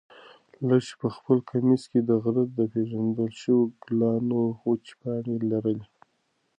لښتې په خپل کمیس کې د غره د پېژندل شوو ګلانو وچې پاڼې لرلې.